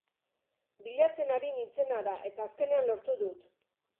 Bilatzen ari nintzena da, eta azkenean lortu dut.